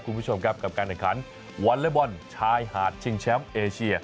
คุณผู้ชมครับกับการแข่งขันวอลเล็บบอลชายหาดชิงแชมป์เอเชีย